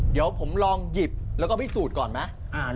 เดี๋ยวผมลองหยิบแล้วก็พิสูจน์ก่อนไหม